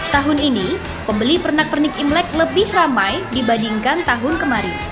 tahun ini pembeli pernak pernik imlek lebih ramai dibandingkan tahun kemarin